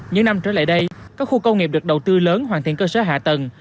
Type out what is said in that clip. những năm trở lại đây các khu công nghiệp được đầu tư lớn hoàn thiện cơ sở hạ tầng